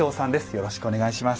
よろしくお願いします。